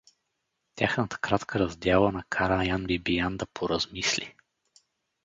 Тяхната кратка раздяла накара Ян Бибиян да поразмисли.